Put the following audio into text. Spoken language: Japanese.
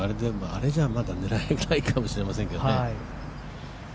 あれじゃまだ狙えないかもしれませんけどね。